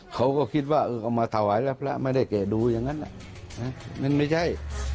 เขาก็คิดว่าเออเอามาถวายแล้วพระไม่ได้แกะดูอย่างนั้นมันไม่ใช่